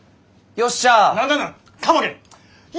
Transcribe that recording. よっしゃ！